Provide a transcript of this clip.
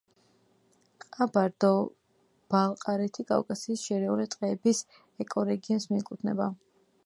ყაბარდო-ბალყარეთი კავკასიის შერეული ტყეების ეკორეგიონს მიეკუთვნება.